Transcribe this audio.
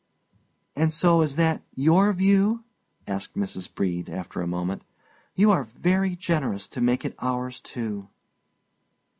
"And so that is your view?" asked Mrs. Brede, after a moment; "you are very generous to make it ours, too."